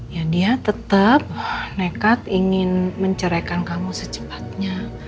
ya dia tetap nekat ingin menceraikan kamu secepatnya